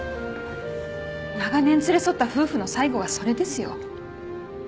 長年連れ添った夫婦の最後がそれですよ。